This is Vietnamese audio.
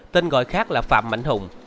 tên gọi khác là phạm mạnh hùng